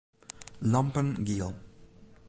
Lampen giel.